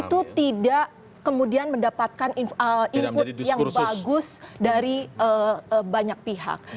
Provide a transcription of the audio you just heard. itu tidak kemudian mendapatkan input yang bagus dari banyak pihak